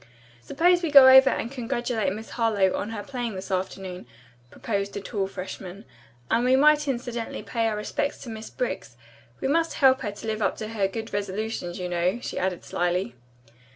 "Suppose we go over and congratulate Miss Harlowe on her playing this afternoon," proposed a tall freshman, "and we might incidentally pay our respects to Miss Briggs. We must help her to live up to her good resolutions, you know," she added slyly.